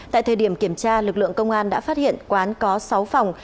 tại thời điểm kiểm tra lực lượng công an đã phát hiện quán có sáu phòng